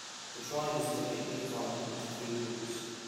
The drivers typically divided into two groups.